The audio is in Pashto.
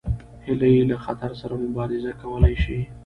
هیلۍ له خطر سره مبارزه کولی شي